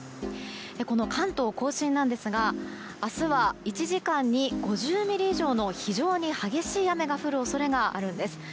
この関東・甲信なんですが明日は１時間に５０ミリ以上の非常に激しい雨が降る恐れがあるんです。